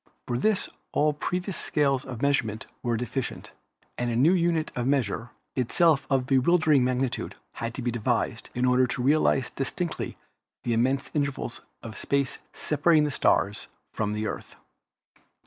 For this all previous scales of measurement were deficient, and a new unit of length, itself of bewildering magnitude, had to be devised in order to realize distinctly the immense intervals of space separating the stars from the Earth.